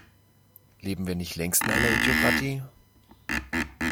Leben wir nicht längst in einer Idiokratie?